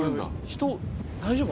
人大丈夫？